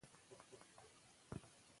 هغه لیک بهرنیو چارواکو ته هم استولی و.